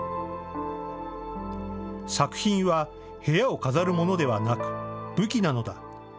作品は部屋を飾るものではなく武器なのだ。